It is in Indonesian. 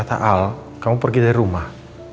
al kamu pergi dari rumah